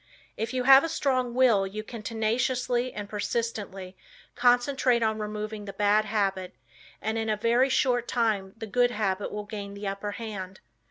If you have a strong will, you can tenaciously and persistently concentrate on removing the bad habit and in a very short time the good habit will gain the upper hand.